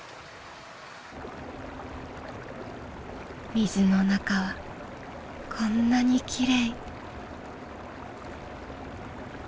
水の中はこんなにきれい。